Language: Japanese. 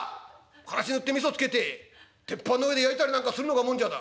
からし塗ってみそつけて鉄板の上で焼いたりなんかするのがもんじゃだ」。